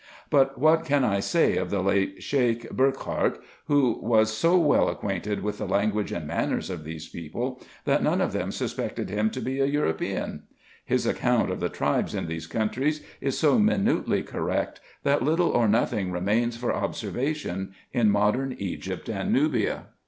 But what can I say of the late Sheik Burckhardt, who was so well acquainted with the language and manners of these people, that PREFACE. Vll none of them suspected him to be an European ? His account of the tribes in these countries is so minutely correct, that little or nothing' remains for observation in modern Egypt and Nubia.